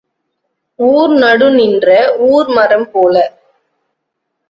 ஊர் நடு நின்ற ஊர் மரம் போல.